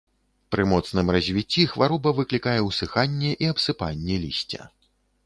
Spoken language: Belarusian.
Пры моцным развіцці хвароба выклікае усыханне і абсыпанне лісця.